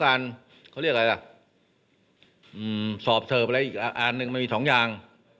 อืมสอบเติบแล้วอีกอันหนึ่งมันมี๒อย่าง